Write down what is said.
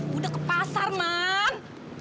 bu de ke pasar man